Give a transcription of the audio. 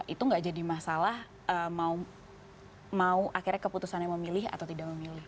itu nggak jadi masalah mau akhirnya keputusannya memilih atau tidak memilih